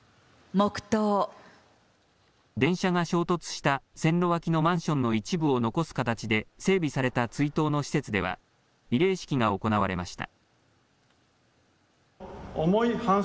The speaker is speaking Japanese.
電車が衝突した線路脇のマンションの一部を残す形で整備された追悼の施設では慰霊式が行われました。